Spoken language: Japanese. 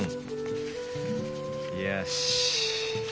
よし。